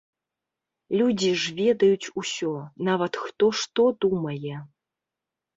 Людзі ж ведаюць усё, нават хто што думае.